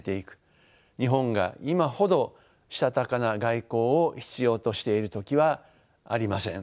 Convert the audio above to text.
日本が今ほどしたたかな外交を必要としている時はありません。